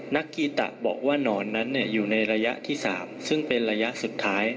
กีตะบอกว่านอนนั้นอยู่ในระยะที่๓ซึ่งเป็นระยะสุดท้าย